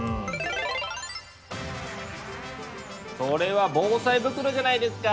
それは防災袋じゃないですか！